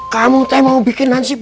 kamu tapi mau bikin nasib